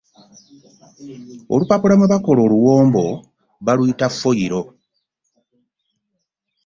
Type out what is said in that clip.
Olupapula mwe bakola oluwombo baluyita foyiro.